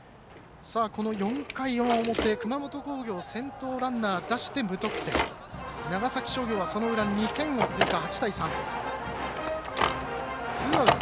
この４回表熊本工業、先頭ランナー出して無得点で、長崎商業はその裏２点を追加、８対３。